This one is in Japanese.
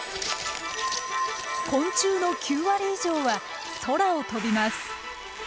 昆虫の９割以上は空を飛びます。